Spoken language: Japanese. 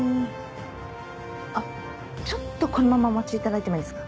あっちょっとこのままお待ちいただいてもいいですか？